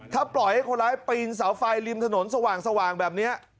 ถ้าปล่อยให้คนร้ายปีนเสาไฟริมถนนสว่างแบบนี้